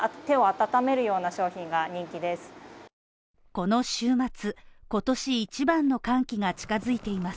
この週末、今年一番の寒気が近づいています。